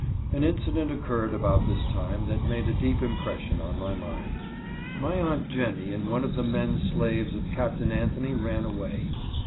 An incident occurred about this time that made a deep impression on my mind^_My_Aun^Je_nnie ana" one of the men slaves of Captain Anthony ran away.